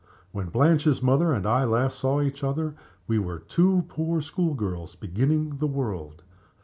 When Blanche's mother and I last saw each other we were two poor school girls beginning the world.